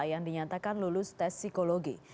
yang dinyatakan lulus tes psikologi